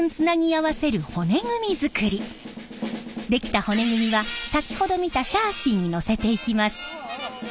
出来た骨組みは先ほど見たシャーシーにのせていきます。